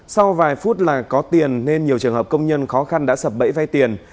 sau vài phút là có tiền nên nhiều trường hợp công nhân khó khăn đã sập bẫy vay tiền